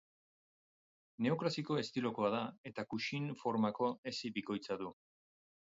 Neoklasiko estilokoa da eta kuxin formako hesi bikoitza du.